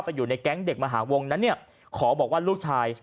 อยู่ในแก๊งเด็กมหาวงนั้นเนี่ยขอบอกว่าลูกชาย